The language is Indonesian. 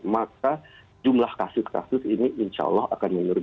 maka jumlah kasus kasus ini insya allah akan menurun